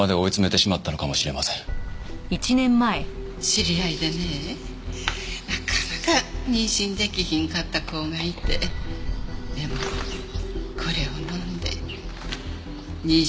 知り合いでねなかなか妊娠出来ひんかった子がいてでもこれを飲んで妊娠したんやそうな。